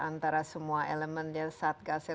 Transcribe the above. antara semua elemen ya satgasel